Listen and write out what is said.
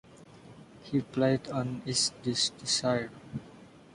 He played on Is This Desire?